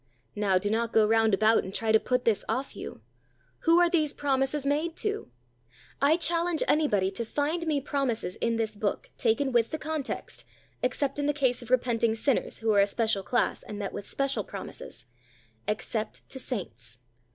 Now, do not go round about, and try to put this off you. Who are these promises made to? I challenge anybody to find me promises in this Book, taken with the context (except in the case of repenting sinners, who are a special class, and met with special promises), except to saints.